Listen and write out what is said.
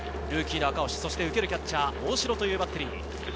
ルーキーの赤星、受けるキャッチャーは大城というバッテリー。